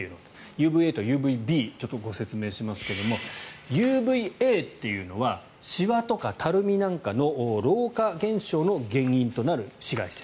ＵＶＡとＵＶＢをご説明しますがＵＶＡというのはシワとかたるみなんかの老化現象の原因となる紫外線。